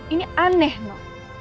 ini aneh nno